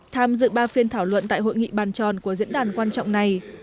tham dự ba phiên thảo luận tại hội nghị bàn tròn của diễn đàn quan trọng này